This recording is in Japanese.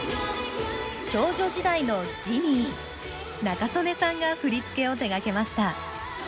少女時代の「ＧＥＮＩＥ」仲宗根さんが振付を手がけました